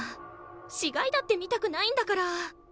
死がいだって見たくないんだから。